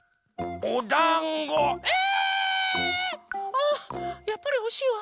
あやっぱりほしいわ。